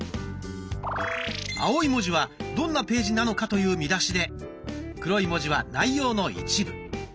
青い文字はどんなページなのかという見出しで黒い文字は内容の一部。